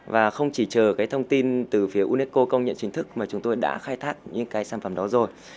và không chỉ chờ cái thông tin từ phía unesco công nhận chính thức mà chúng tôi đã khai thác những cái sản phẩm đó rồi